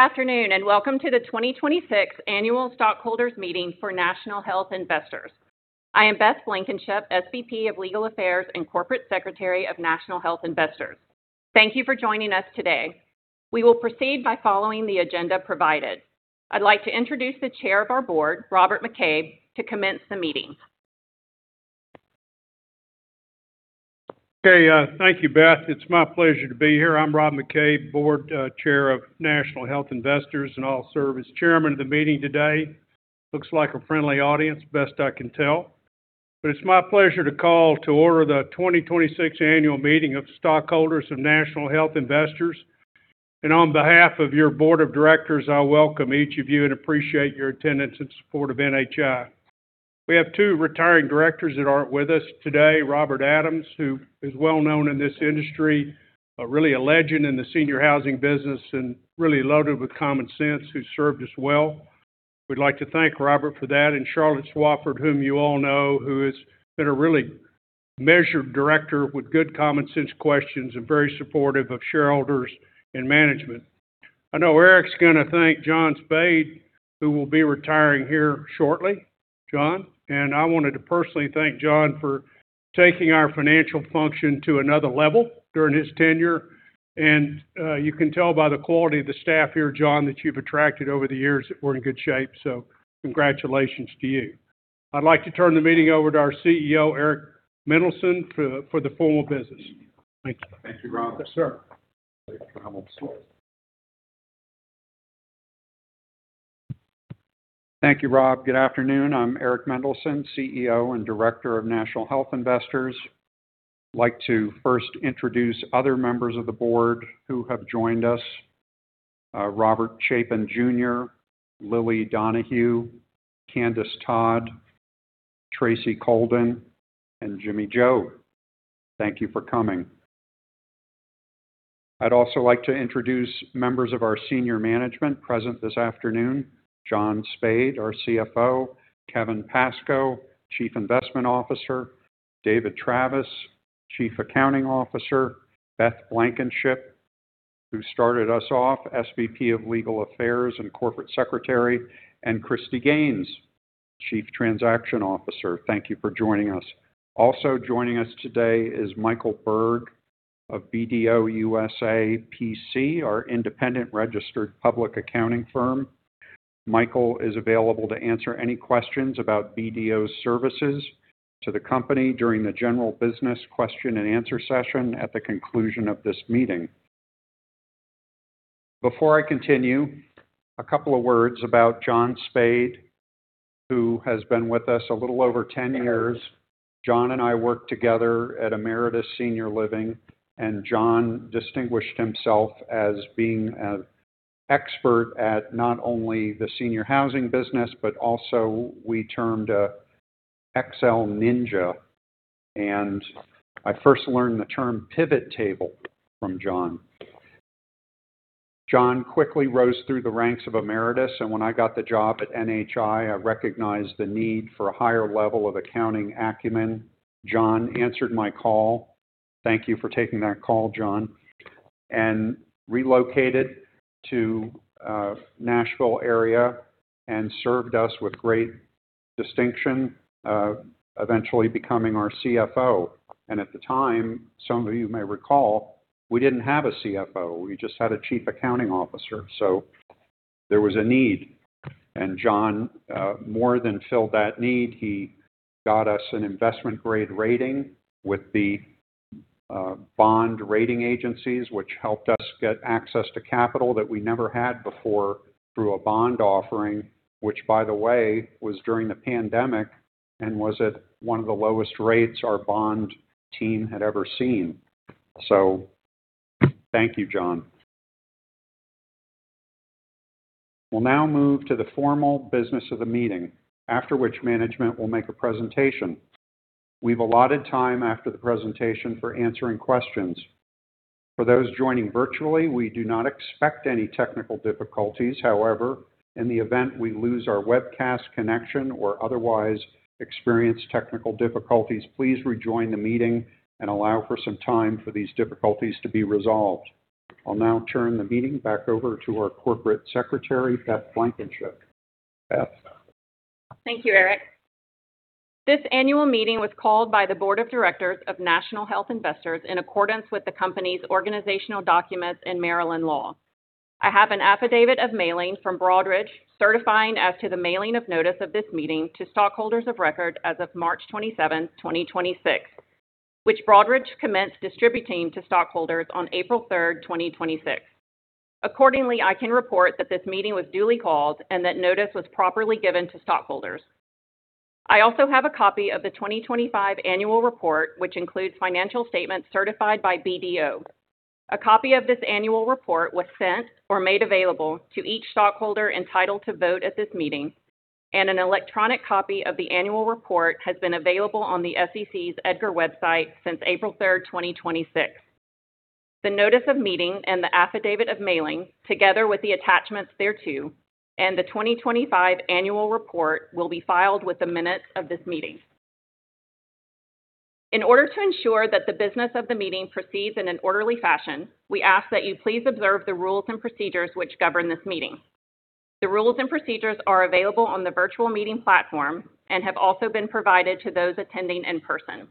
Afternoon, welcome to the 2026 annual stockholders meeting for National Health Investors. I am Beth Blankenship, SVP of Legal Affairs and Corporate Secretary of National Health Investors. Thank you for joining us today. We will proceed by following the agenda provided. I'd like to introduce the chair of our board, Robert McCabe, to commence the meeting. Okay. Thank you, Beth. It's my pleasure to be here. I'm Rob McCabe, Board Chair of National Health Investors, and I'll serve as chairman of the meeting today. Looks like a friendly audience, best I can tell. It's my pleasure to call to order the 2026 annual meeting of stockholders of National Health Investors. On behalf of your board of directors, I welcome each of you and appreciate your attendance and support of NHI. We have two retiring directors that aren't with us today, Robert Adams, who is well-known in this industry, really a legend in the senior housing business and really loaded with common sense, who served us well. We'd like to thank Robert for that. Charlotte Swafford, whom you all know, who has been a really measured director with good common sense questions and very supportive of shareholders and management. I know Eric's going to thank John Spaid, who will be retiring here shortly, John. I wanted to personally thank John for taking our financial function to another level during his tenure, and you can tell by the quality of the staff here, John, that you've attracted over the years that we're in good shape. Congratulations to you. I'd like to turn the meeting over to our CEO, Eric Mendelsohn, for the formal business. Thank you. Thank you, Rob. Yes, sir. Thanks, Rob. Thank you, Rob. Good afternoon. I'm Eric Mendelsohn, CEO and Director of National Health Investors. I'd like to first introduce other members of the board who have joined us. Robert Chapin, Jr., Lilly Donohue, Candace Todd, Tracy Colden, and James Jobe. Thank you for coming. I'd also like to introduce members of our senior management present this afternoon. John Spaid, our CFO. Kevin Pascoe, Chief Investment Officer. David Travis, Chief Accounting Officer. Beth Blankenship, who started us off, SVP of Legal Affairs and Corporate Secretary, and Kristin S. Gaines, Chief Transaction Officer. Thank you for joining us. Also joining us today is Michael Berg of BDO USA, P.C., our independent registered public accounting firm. Michael is available to answer any questions about BDO's services to the company during the general business question and answer session at the conclusion of this meeting. Before I continue, a couple of words about John Spaid, who has been with us a little over 10 years. John and I worked together at Emeritus Senior Living, John distinguished himself as being an expert at not only the senior housing business, but also we termed a Excel Ninja. I first learned the term pivot table from John. John quickly rose through the ranks of Emeritus, When I got the job at NHI, I recognized the need for a higher level of accounting acumen. John answered my call. Thank you for taking that call, John. Relocated to, Nashville area and served us with great distinction, eventually becoming our CFO. At the time, some of you may recall, we didn't have a CFO. We just had a Chief Accounting Officer. There was a need. John more than filled that need. He got us an investment-grade rating with the bond rating agencies, which helped us get access to capital that we never had before through a bond offering, which, by the way, was during the pandemic and was at one of the lowest rates our bond team had ever seen. Thank you, John. We'll now move to the formal business of the meeting. After which management will make a presentation. We've allotted time after the presentation for answering questions. For those joining virtually, we do not expect any technical difficulties. However, in the event we lose our webcast connection or otherwise experience technical difficulties, please rejoin the meeting and allow for some time for these difficulties to be resolved. I'll now turn the meeting back over to our Corporate Secretary, Beth Blankenship. Beth. Thank you, Eric. This annual meeting was called by the Board of Directors of National Health Investors in accordance with the company's organizational documents and Maryland law. I have an affidavit of mailing from Broadridge certifying as to the mailing of notice of this meeting to stockholders of record as of March 27, 2026, which Broadridge commenced distributing to stockholders on April 3, 2026. I can report that this meeting was duly called and that notice was properly given to stockholders. I also have a copy of the 2025 annual report, which includes financial statements certified by BDO. A copy of this annual report was sent or made available to each stockholder entitled to vote at this meeting, and an electronic copy of the annual report has been available on the SEC's EDGAR website since April 3, 2026. The notice of meeting and the affidavit of mailing, together with the attachments thereto, and the 2025 annual report will be filed with the minutes of this meeting. In order to ensure that the business of the meeting proceeds in an orderly fashion, we ask that you please observe the rules and procedures which govern this meeting. The rules and procedures are available on the virtual meeting platform and have also been provided to those attending in person.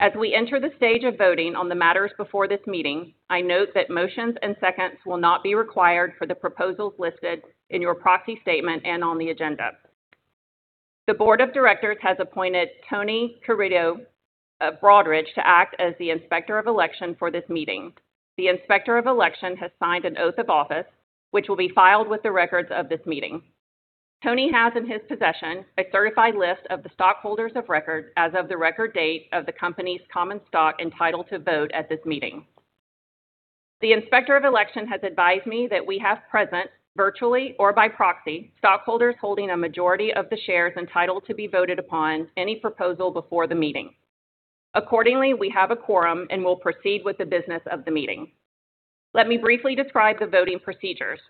As we enter the stage of voting on the matters before this meeting, I note that motions and seconds will not be required for the proposals listed in your proxy statement and on the agenda. The Board of Directors has appointed Tony Carrido of Broadridge to act as the Inspector of Election for this meeting. The Inspector of Election has signed an oath of office, which will be filed with the records of this meeting. Tony has in his possession a certified list of the stockholders of record as of the record date of the company's common stock entitled to vote at this meeting. The Inspector of Election has advised me that we have present, virtually or by proxy, stockholders holding a majority of the shares entitled to be voted upon any proposal before the meeting. Accordingly, we have a quorum and will proceed with the business of the meeting. Let me briefly describe the voting procedures.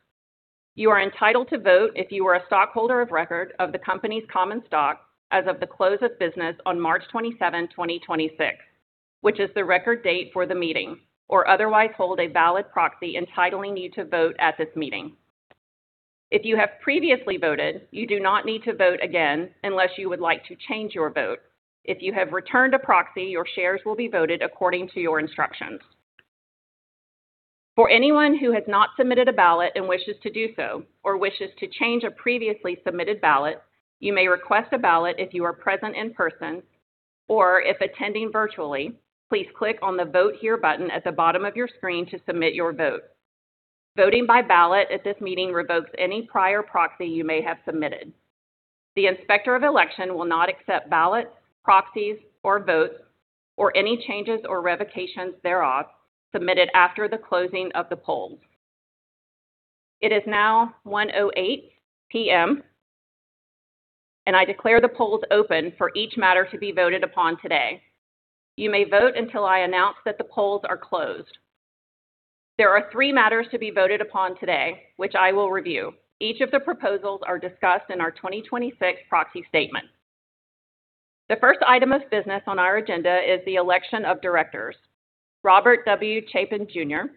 You are entitled to vote if you are a stockholder of record of the company's common stock as of the close of business on March 27, 2026, which is the record date for the meeting, or otherwise hold a valid proxy entitling you to vote at this meeting. If you have previously voted, you do not need to vote again unless you would like to change your vote. If you have returned a proxy, your shares will be voted according to your instructions. For anyone who has not submitted a ballot and wishes to do so or wishes to change a previously submitted ballot, you may request a ballot if you are present in person, or if attending virtually, please click on the Vote Here button at the bottom of your screen to submit your vote. Voting by ballot at this meeting revokes any prior proxy you may have submitted. The Inspector of Election will not accept ballots, proxies or votes, or any changes or revocations thereof, submitted after the closing of the polls. It is now 1:08 P.M., and I declare the polls open for each matter to be voted upon today. You may vote until I announce that the polls are closed. There are three matters to be voted upon today, which I will review. Each of the proposals are discussed in our 2026 proxy statement. The first item of business on our agenda is the election of directors. Robert W. Chapin, Jr.,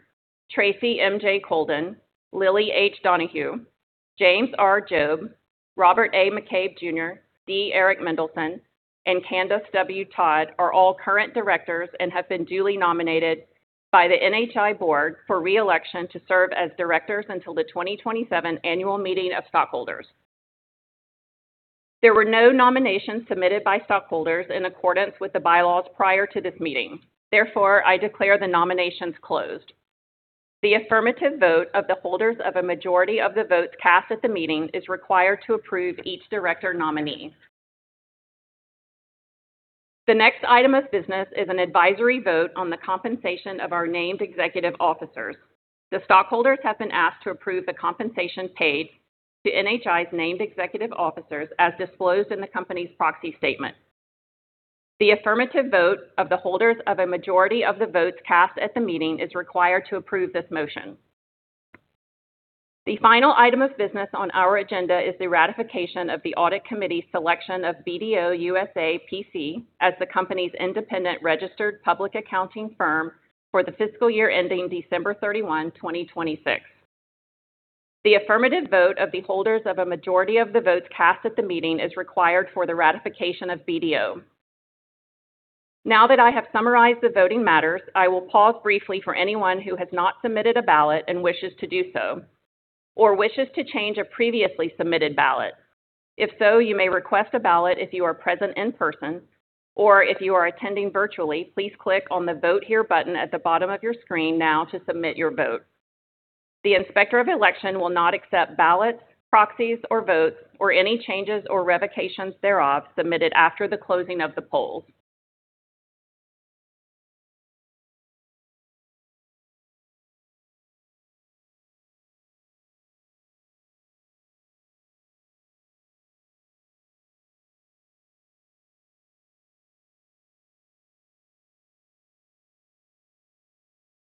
Tracy M.J. Colden, Lilly H. Donohue, James Jobe, Robert McCabe, D. Eric Mendelsohn, and Candace Todd are all current directors and have been duly nominated by the NHI Board for re-election to serve as directors until the 2027 annual meeting of stockholders. There were no nominations submitted by stockholders in accordance with the bylaws prior to this meeting. I declare the nominations closed. The affirmative vote of the holders of a majority of the votes cast at the meeting is required to approve each director nominee. The next item of business is an advisory vote on the compensation of our named executive officers. The stockholders have been asked to approve the compensation paid to NHI's named executive officers as disclosed in the company's proxy statement. The affirmative vote of the holders of a majority of the votes cast at the meeting is required to approve this motion. The final item of business on our agenda is the ratification of the Audit Committee's selection of BDO USA, P.C. as the company's independent registered public accounting firm for the fiscal year ending December 31, 2026. The affirmative vote of the holders of a majority of the votes cast at the meeting is required for the ratification of BDO. Now that I have summarized the voting matters, I will pause briefly for anyone who has not submitted a ballot and wishes to do so or wishes to change a previously submitted ballot. If so, you may request a ballot if you are present in person, or if you are attending virtually, please click on the Vote Here button at the bottom of your screen now to submit your vote. The Inspector of Election will not accept ballots, proxies, or votes, or any changes or revocations thereof, submitted after the closing of the polls.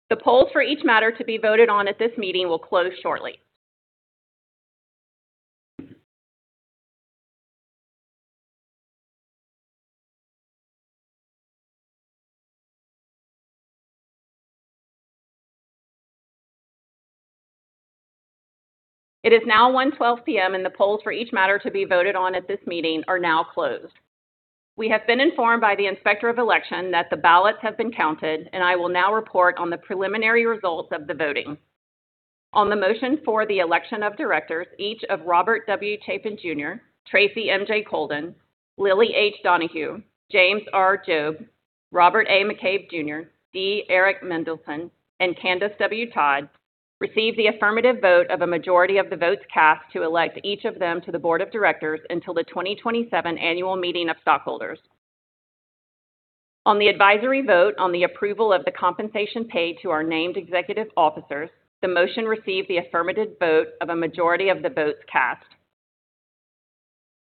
The polls for each matter to be voted on at this meeting will close shortly. It is now 1:12 P.M., and the polls for each matter to be voted on at this meeting are now closed. We have been informed by the Inspector of Election that the ballots have been counted. I will now report on the preliminary results of the voting. On the motion for the election of directors, each of Robert W. Chapin, Jr., Tracy M.J. Colden, Lilly Donohue, James Jobe, Robert McCabe, D. Eric Mendelsohn, and Candace Todd received the affirmative vote of a majority of the votes cast to elect each of them to the Board of Directors until the 2027 annual meeting of stockholders. On the advisory vote on the approval of the compensation paid to our named executive officers, the motion received the affirmative vote of a majority of the votes cast.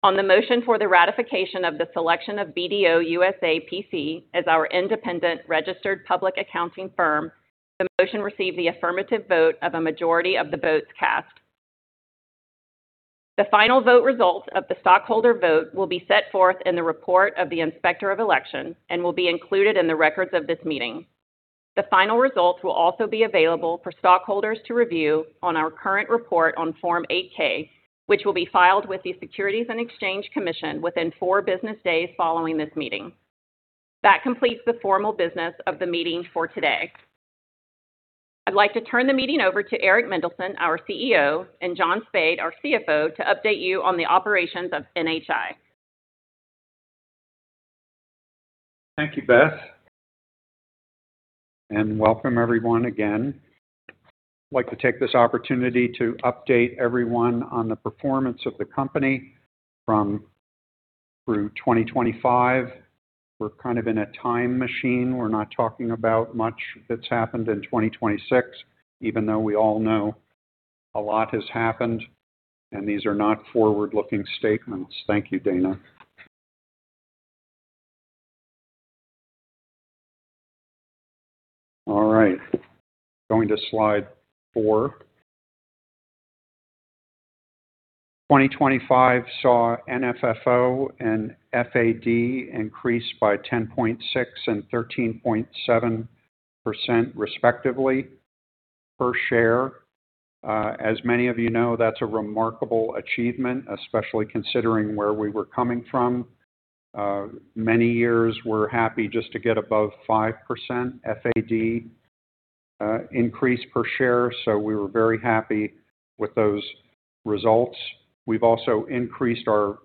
On the motion for the ratification of the selection of BDO USA, P.C. as our independent registered public accounting firm, the motion received the affirmative vote of a majority of the votes cast. The final vote results of the stockholder vote will be set forth in the report of the Inspector of Elections and will be included in the records of this meeting. The final results will also be available for stockholders to review on our current report on Form 8-K, which will be filed with the Securities and Exchange Commission within four business days following this meeting. That completes the formal business of the meeting for today. I'd like to turn the meeting over to Eric Mendelsohn, our CEO, and John Spaid, our CFO, to update you on the operations of NHI. Thank you, Beth, and welcome everyone again. I'd like to take this opportunity to update everyone on the performance of the company through 2025. We're kind of in a time machine. We're not talking about much that's happened in 2026, even though we all know a lot has happened, and these are not forward-looking statements. Thank you, Dana. All right. Going to slide four. 2025 saw NFFO and FAD increase by 10.6% and 13.7%, respectively, per share. As many of you know, that's a remarkable achievement, especially considering where we were coming from. Many years, we're happy just to get above 5% FAD increase per share. We were very happy with those results. We've also increased our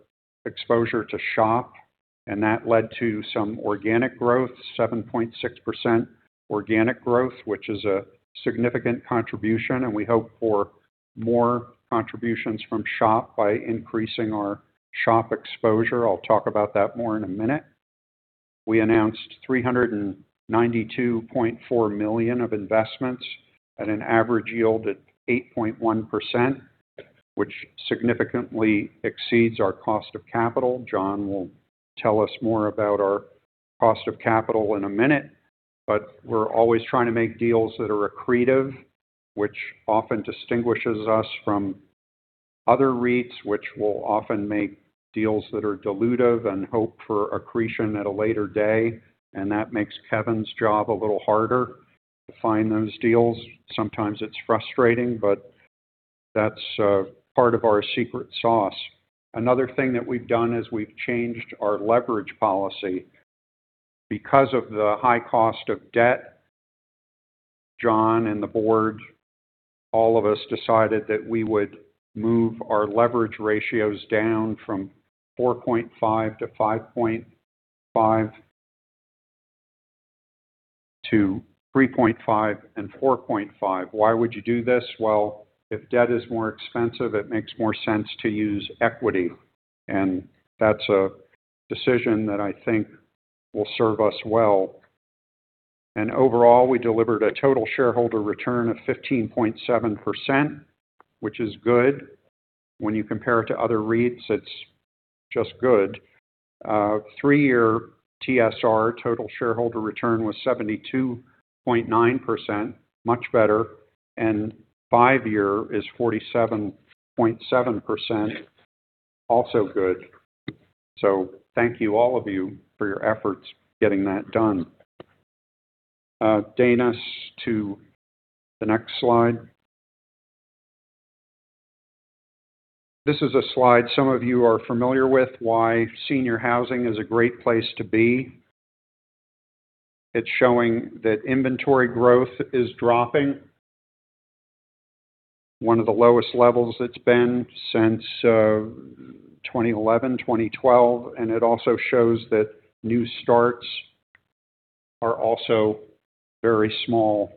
exposure to SHOP, and that led to some organic growth, 7.6% organic growth, which is a significant contribution, and we hope for more contributions from SHOP by increasing our SHOP exposure. I'll talk about that more in a minute. We announced $392.4 million of investments at an average yield at 8.1%, which significantly exceeds our cost of capital. John will tell us more about our cost of capital in a minute, but we're always trying to make deals that are accretive, which often distinguishes us from other REITs, which will often make deals that are dilutive and hope for accretion at a later day. That makes Kevin's job a little harder to find those deals. Sometimes it's frustrating, but that's part of our secret sauce. Another thing that we've done is we've changed our leverage policy. Because of the high cost of debt, John and the board, all of us decided that we would move our leverage ratios down from 4.5-5.5 to 3.5-4.5. Why would you do this? Well, if debt is more expensive, it makes more sense to use equity. That's a decision that I think will serve us well. Overall, we delivered a total shareholder return of 15.7%, which is good. When you compare it to other REITs, it's just good. Three-year TSR, total shareholder return, was 72.9%, much better, and five-year is 47.7%, also good. Thank you, all of you, for your efforts getting that done. Dana, to the next slide. This is a slide some of you are familiar with, why senior housing is a great place to be. It's showing that inventory growth is dropping. One of the lowest levels it's been since 2011, 2012, and it also shows that new starts are also very small,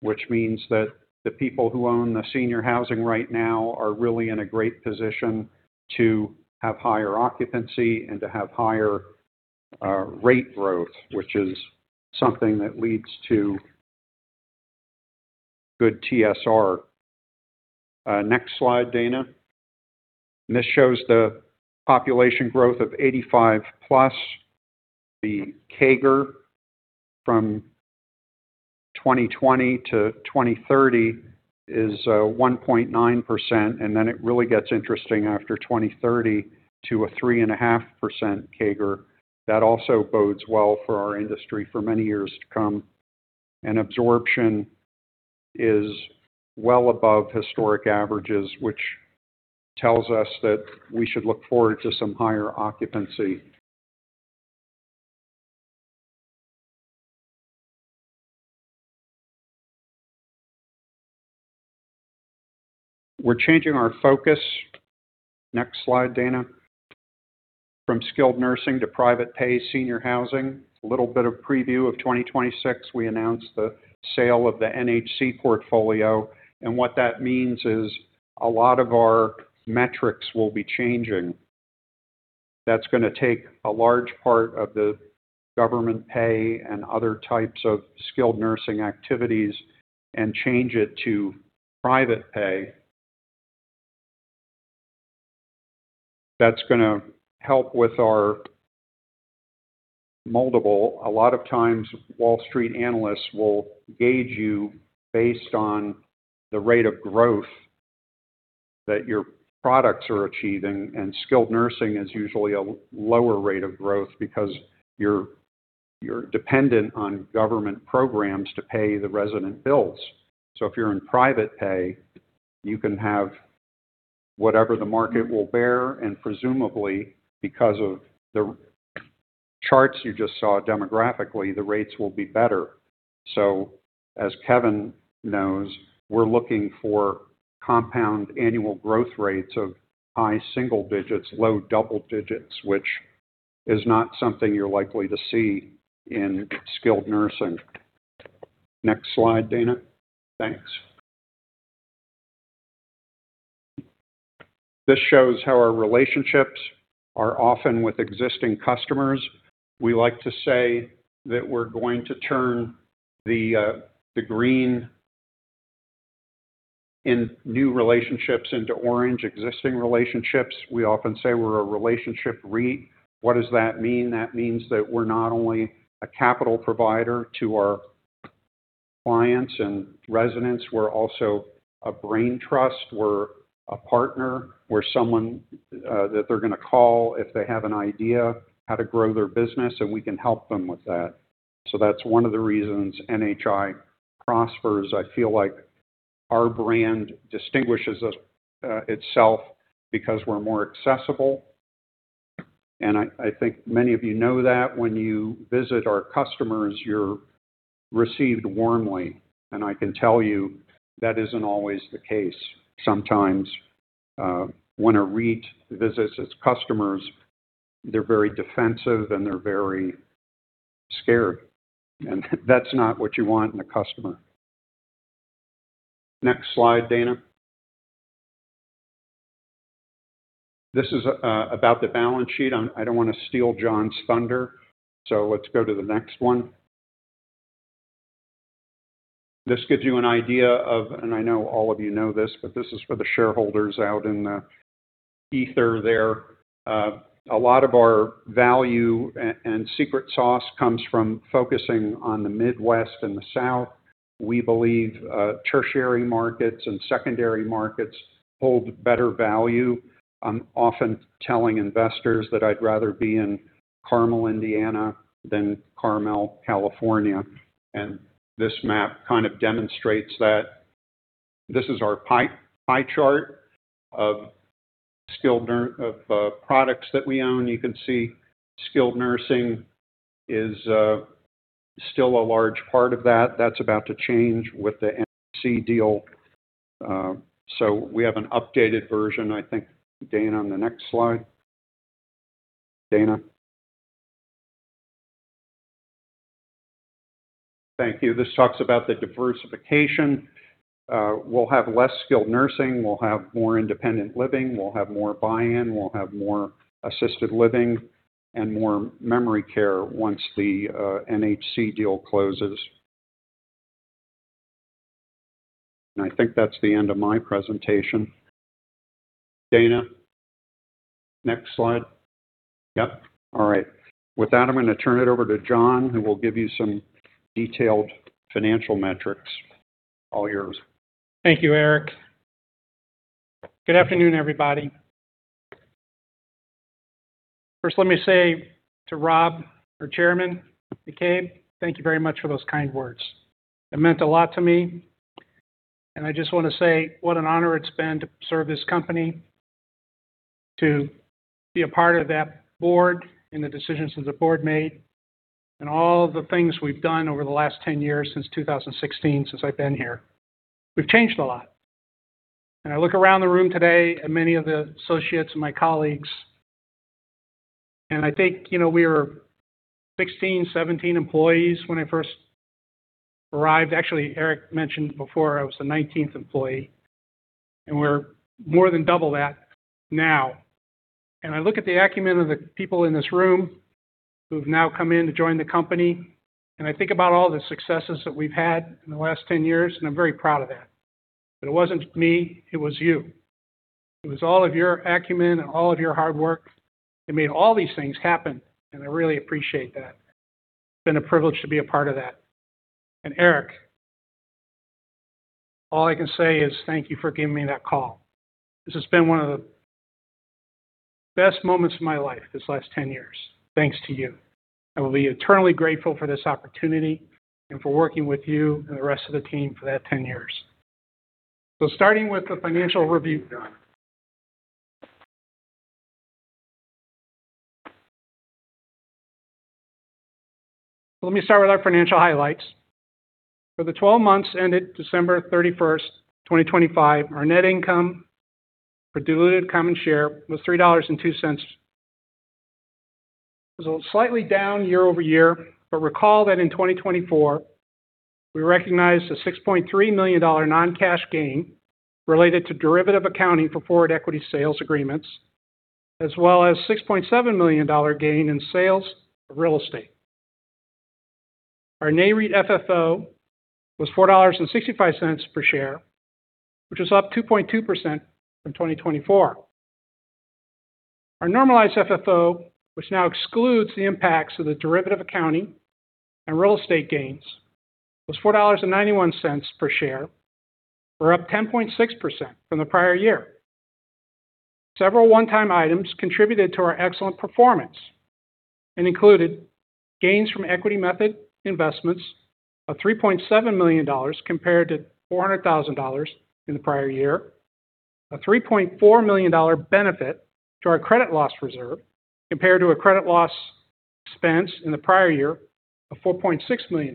which means that the people who own the senior housing right now are really in a great position to have higher occupancy and to have higher rate growth, which is something that leads to good TSR. Next slide, Dana. This shows the population growth of 85+. The CAGR from 2020-2030 is 1.9%, and then it really gets interesting after 2030 to a 3.5% CAGR. That also bodes well for our industry for many years to come. Absorption is well above historic averages, which tells us that we should look forward to some higher occupancy. We're changing our focus. Next slide, Dana. From skilled nursing to private pay senior housing. A little bit of preview of 2026. We announced the sale of the NHC portfolio, and what that means is a lot of our metrics will be changing. That's going to take a large part of the government pay and other types of skilled nursing activities and change it to private pay. That's going to help with our multiple. A lot of times, Wall Street analysts will gauge you based on the rate of growth that your products are achieving, and skilled nursing is usually a lower rate of growth because you're dependent on government programs to pay the resident bills. If you're in private pay, you can have whatever the market will bear, and presumably because of the charts you just saw demographically, the rates will be better. As Kevin knows, we're looking for compound annual growth rates of high single digits, low double digits, which is not something you're likely to see in skilled nursing. Next slide, Dana. Thanks. This shows how our relationships are often with existing customers. We like to say that we're going to turn the green in new relationships into orange existing relationships. We often say we're a relationship REIT. What does that mean? That means that we're not only a capital provider to our clients and residents, we're also a brain trust. We're a partner. We're someone that they're going to call if they have an idea how to grow their business, and we can help them with that. That's one of the reasons NHI prospers. I feel like our brand distinguishes itself because we're more accessible, and I think many of you know that when you visit our customers, you're received warmly, and I can tell you that isn't always the case. Sometimes, when a REIT visits its customers, they're very defensive, and they're very scared, and that's not what you want in a customer. Next slide, Dana. This is about the balance sheet. I don't want to steal John's thunder, so let's go to the next one. This gives you an idea of I know all of you know this, but this is for the shareholders out in the ether there. A lot of our value and secret sauce comes from focusing on the Midwest and the South. We believe tertiary markets and secondary markets hold better value. I'm often telling investors that I'd rather be in Carmel, Indiana, than Carmel, California, and this map kind of demonstrates that. This is our pie chart of products that we own. You can see skilled nursing is still a large part of that. That's about to change with the NHC deal. We have an updated version, I think, Dana, on the next slide. Dana. Thank you. This talks about the diversification. We'll have less skilled nursing. We'll have more independent living. We'll have more buy-in. We'll have more assisted living and more memory care once the NHC deal closes. I think that's the end of my presentation. Dana, next slide. Yep. All right. With that, I'm going to turn it over to John, who will give you some detailed financial metrics. All yours. Thank you, Eric. Good afternoon, everybody. First, let me say to Rob, our chairman, McCabe, thank you very much for those kind words. It meant a lot to me, and I just want to say what an honor it's been to serve this company, to be a part of that board and the decisions that the board made, and all the things we've done over the last 10 years, since 2016, since I've been here. We've changed a lot. I look around the room today at many of the associates and my colleagues, and I think we were 16, 17 employees when I first arrived. Actually, Eric mentioned before I was the 19th employee, and we're more than double that now. I look at the acumen of the people in this room who have now come in to join the company, and I think about all the successes that we've had in the last 10 years, and I'm very proud of that. It wasn't me, it was you. It was all of your acumen and all of your hard work that made all these things happen, and I really appreciate that. It's been a privilege to be a part of that. Eric, all I can say is thank you for giving me that call. This has been one of the best moments of my life, this last 10 years, thanks to you. I will be eternally grateful for this opportunity and for working with you and the rest of the team for that 10 years. Starting with the financial review now. Let me start with our financial highlights. For the 12 months ended December 31st, 2025, our net income per diluted common share was $3.02. It was slightly down year-over-year, but recall that in 2024, we recognized a $6.3 million non-cash gain related to derivative accounting for forward equity sales agreements, as well as a $6.7 million gain in sales of real estate. Our NAREIT FFO was $4.65 per share, which was up 2.2% from 2024. Our normalized FFO, which now excludes the impacts of the derivative accounting and real estate gains, was $4.91 per share. We're up 10.6% from the prior year. Several one-time items contributed to our excellent performance and included gains from equity method investments of $3.7 million compared to $400,000 in the prior year, a $3.4 million benefit to our credit loss reserve compared to a credit loss expense in the prior year of $4.6 million.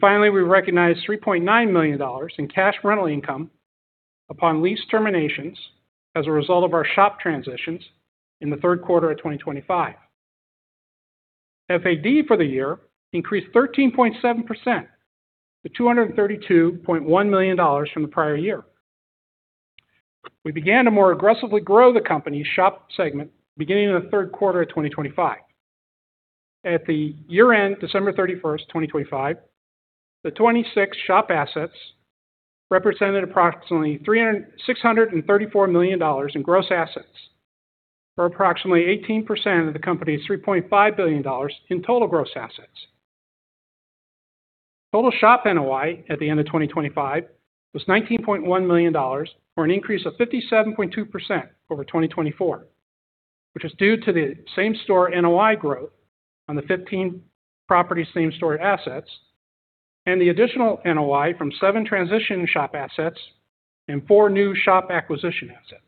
Finally, we recognized $3.9 million in cash rental income upon lease terminations as a result of our SHOP transitions in the third quarter of 2025. FAD for the year increased 13.7% to $232.1 million from the prior year. We began to more aggressively grow the company's SHOP segment beginning in the third quarter of 2025. At the year-end, December 31st, 2025, the 26 SHOP assets represented approximately $634 million in gross assets, or approximately 18% of the company's $3.5 billion in total gross assets. Total SHOP NOI at the end of 2025 was $19.1 million, or an increase of 57.2% over 2024, which was due to the same-store NOI growth on the 15 property same-store assets and the additional NOI from seven transition SHOP assets and four new SHOP acquisition assets.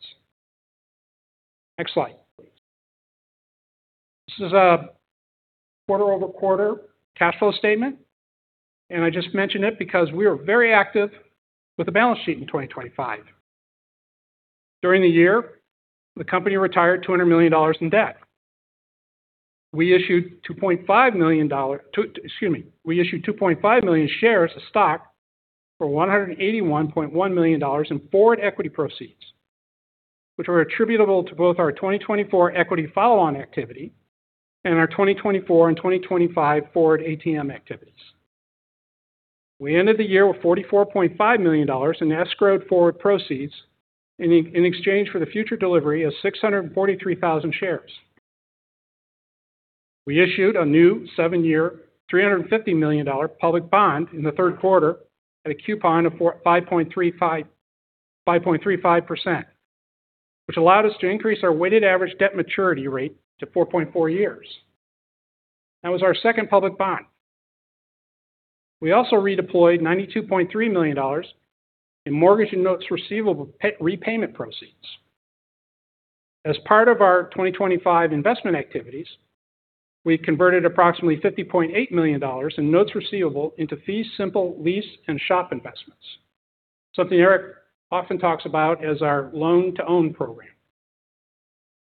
Next slide, please. This is a quarter-over-quarter cash flow statement. I just mention it because we are very active with the balance sheet in 2025. During the year, the company retired $200 million in debt. We issued 2.5 million shares of stock for $181.1 million in forward equity proceeds, which were attributable to both our 2024 equity follow-on activity and our 2024 and 2025 forward ATM activities. We ended the year with $44.5 million in escrowed forward proceeds in exchange for the future delivery of 643,000 shares. We issued a new seven-year, $350 million public bond in the third quarter at a coupon of 5.35%, which allowed us to increase our weighted average debt maturity rate to 4.4 years. That was our second public bond. We also redeployed $92.3 million in mortgage and notes receivable repayment proceeds. As part of our 2025 investment activities, we converted approximately $50.8 million in notes receivable into fee simple lease and SHOP investments, something Eric often talks about as our loan-to-own program.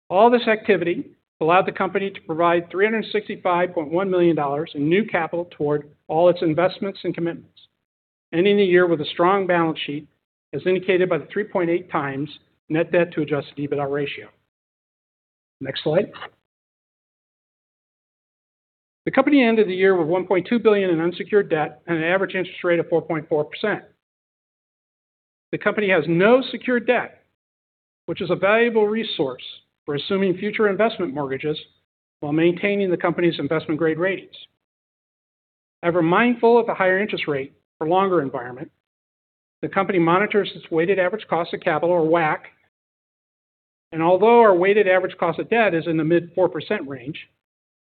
All this activity allowed the company to provide $365.1 million in new capital toward all its investments and commitments, ending the year with a strong balance sheet, as indicated by the 3.8x net debt to Adjusted EBITDA ratio. Next slide. The company ended the year with $1.2 billion in unsecured debt and an average interest rate of 4.4%. The company has no secured debt, which is a valuable resource for assuming future investment mortgages while maintaining the company's investment-grade ratings. Ever mindful of the higher interest rate for longer environment, the company monitors its weighted average cost of capital, or WACC, and although our weighted average cost of debt is in the mid 4% range,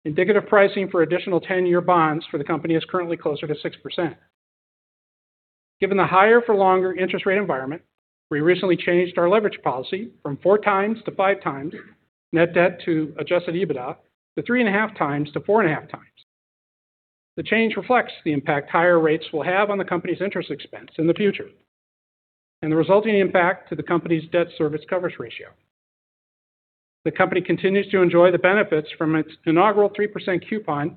indicative pricing for additional 10-year bonds for the company is currently closer to 6%. Given the higher for longer interest rate environment, we recently changed our leverage policy from 4x-5x net debt to Adjusted EBITDA to 3.5x-4.5x. The change reflects the impact higher rates will have on the company's interest expense in the future and the resulting impact to the company's debt service coverage ratio. The company continues to enjoy the benefits from its inaugural 3% coupon,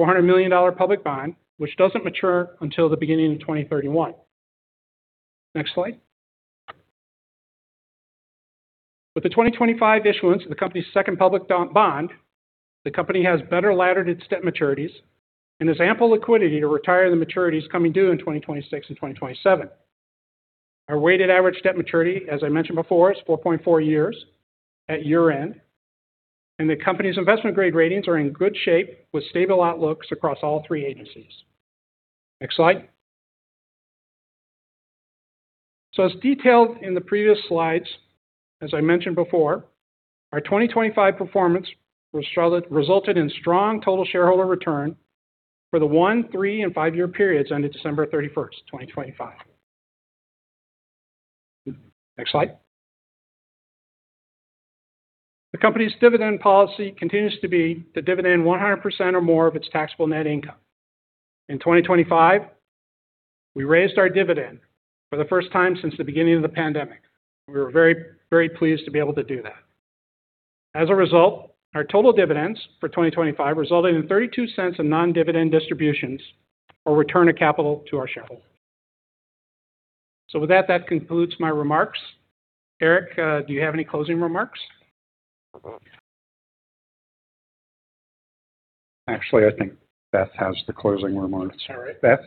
$400 million public bond, which doesn't mature until the beginning of 2031. Next slide. With the 2025 issuance of the company's second public bond, the company has better laddered its debt maturities and has ample liquidity to retire the maturities coming due in 2026 and 2027. Our weighted average debt maturity, as I mentioned before, is 4.4 years at year-end, and the company's investment-grade ratings are in good shape with stable outlooks across all three agencies. Next slide. As detailed in the previous slides, as I mentioned before, our 2025 performance resulted in strong total shareholder return for the one, three, and five-year periods ended December 31st, 2025. Next slide. The company's dividend policy continues to be to dividend 100% or more of its taxable net income. In 2025, we raised our dividend for the first time since the beginning of the pandemic. We were very pleased to be able to do that. As a result, our total dividends for 2025 resulted in $0.32 of non-dividend distributions or return of capital to our shareholders. With that concludes my remarks. Eric, do you have any closing remarks? Actually, I think Beth has the closing remarks. All right. Beth?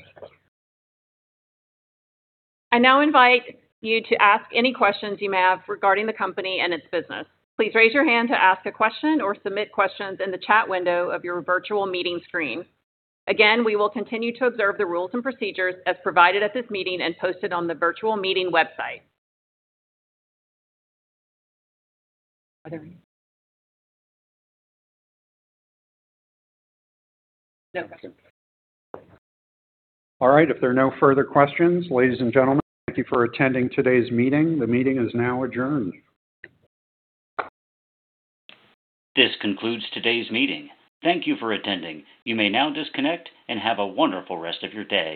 I now invite you to ask any questions you may have regarding the company and its business. Please raise your hand to ask a question or submit questions in the chat window of your virtual meeting screen. Again, we will continue to observe the rules and procedures as provided at this meeting and posted on the virtual meeting website. Are there any? No. All right. If there are no further questions, ladies and gentlemen, thank you for attending today's meeting. The meeting is now adjourned. This concludes today's meeting. Thank you for attending. You may now disconnect and have a wonderful rest of your day.